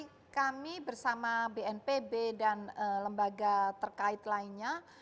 jadi kami bersama bnpb dan lembaga terkait lainnya